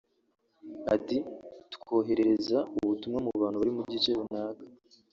Ati “Twoherereza ubutumwa ku bantu bari mu gice runaka